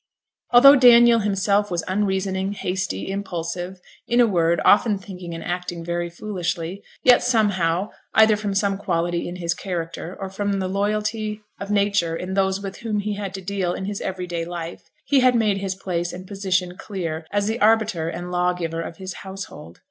Although Daniel himself was unreasoning, hasty, impulsive in a word, often thinking and acting very foolishly yet, somehow, either from some quality in his character, or from the loyalty of nature in those with whom he had to deal in his every day life, he had made his place and position clear as the arbiter and law giver of his household.